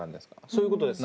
そういうことです